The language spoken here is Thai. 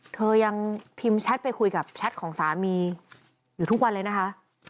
เธอยังพิมพ์แชทไปคุยกับแชทของสามีอยู่ทุกวันเลยนะคะ